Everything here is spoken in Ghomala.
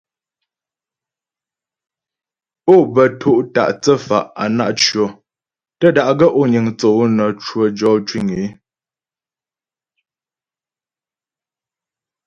Ó bə to' ta' thə́fa' á na' tʉɔ, tə́ da'gaə́ ó niŋ thə́ ǒ nə́ cwə jɔ cwiŋ ée.